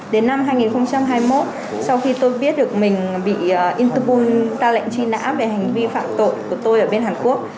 đến năm hai nghìn hai mươi một sau khi tôi biết được mình bị interpoung ra lệnh truy nã về hành vi phạm tội của tôi ở bên hàn quốc